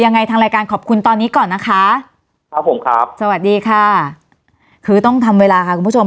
ยังไงทางรายการขอบคุณตอนนี้ก่อนนะคะครับผมครับสวัสดีค่ะคือต้องทำเวลาค่ะคุณผู้ชม